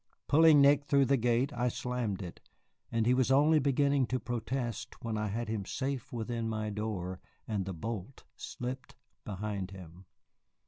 Pulling Nick through the gate, I slammed it, and he was only beginning to protest when I had him safe within my door, and the bolt slipped behind him.